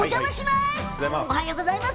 おはようございます。